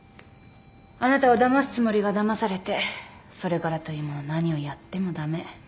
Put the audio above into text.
あなたをだますつもりがだまされてそれからというもの何をやっても駄目。